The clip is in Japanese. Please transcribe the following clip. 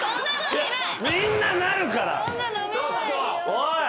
おい！